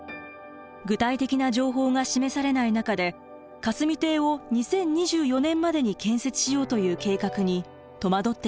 具体的な情報が示されない中で霞堤を２０２４年までに建設しようという計画に戸惑っています。